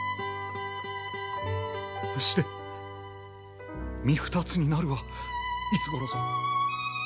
して身２つになるはいつごろぞ？